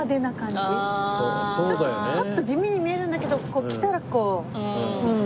ちょっとパッと地味に見えるんだけど着たらこううん。